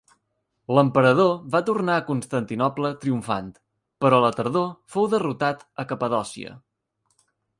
L'emperador va tornar a Constantinoble triomfant, però a la tardor fou derrotat a Capadòcia.